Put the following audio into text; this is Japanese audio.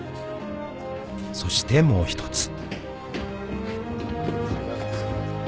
［そしてもう１つ］